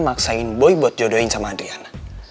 maksain boy buat jodohin sama adriana